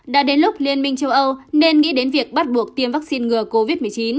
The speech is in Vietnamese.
đã đến lúc liên minh châu âu nên nghĩ đến việc bắt buộc tiêm vaccine ngừa covid một mươi chín